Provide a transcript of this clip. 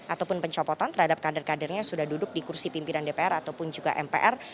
ataupun pencopotan terhadap kader kadernya sudah duduk di kursi pimpinan dpr ataupun juga mpr